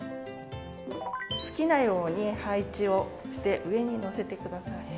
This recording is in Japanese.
好きなように配置をして上に載せてください。